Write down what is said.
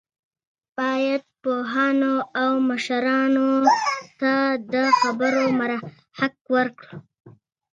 افغانستان د دښتې له مخې پېژندل کېږي.